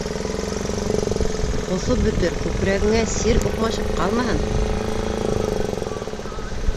Ҡоҫоп бөтөр, күкрәгеңә сир уҡмашып ҡалмаһын...